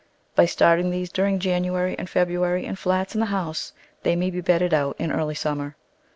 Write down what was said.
By starting these during January and February in flats in the house they may be bedded out in early summer.